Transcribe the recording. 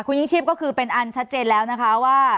คุณยิ่งชีพก็คือเป็นอันชัดเจนแล้วนะคะว่า